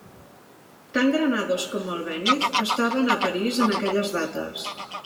Tant Granados com Albéniz estaven a París en aquelles dates.